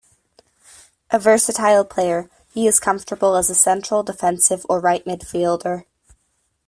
A versatile player, he is comfortable as a central, defensive or right midfielder.